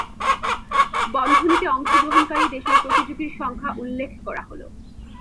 বন্ধনীতে অংশগ্রহণকারী দেশের প্রতিযোগীর সংখ্যা উল্লেখ করা হলো।